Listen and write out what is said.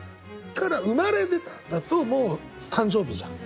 だから「生まれ出た」だともう誕生日じゃん。